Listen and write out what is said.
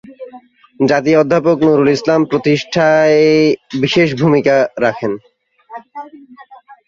জাতীয় অধ্যাপক নুরুল ইসলাম প্রতিষ্ঠায় বিশেষ ভুমিকা রাখেন।